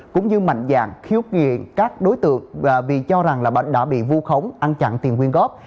cũng như mạnh dạng khiếu nghiện các đối tượng vì cho rằng đã bị vô khống ăn chặn tiền huyên góp